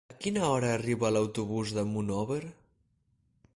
A quina hora arriba l'autobús de Monòver?